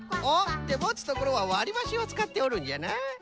おっもつところはわりばしをつかっておるんじゃな。